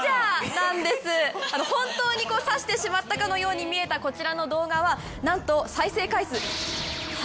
本当に刺してしまったかのように見えたこちらの動画は。という動画が人気なんです。